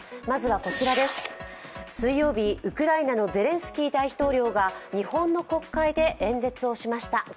まずはこちらです、水曜日、ウクライナのゼレンスキー大統領が日本の国会で演説をしました。